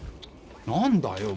何だよお前。